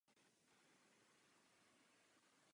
Čtyři nejvýše nasazení měli volný los do druhého kola.